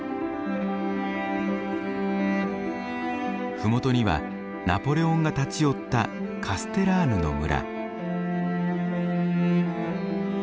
麓にはナポレオンが立ち寄ったカステラーヌの村。